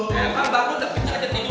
kalian berat eh